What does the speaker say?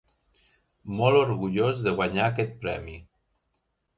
Molt orgullós de guanyar aquest premi.